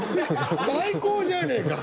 最高じゃねえか！